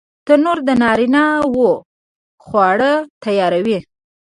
تنور د نارینه وو خواړه تیاروي